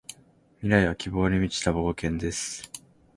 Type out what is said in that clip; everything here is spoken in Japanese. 未来は希望に満ちた冒険です。